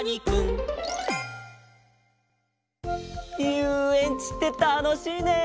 ゆうえんちってたのしいね！